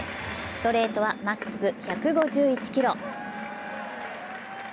ストレートはマックス１５１キロ。